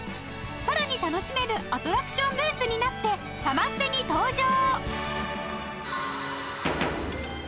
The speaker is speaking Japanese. さらに楽しめるアトラクションブースになってサマステに登場！